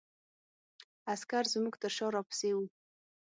عسکر زموږ تر شا را پسې وو.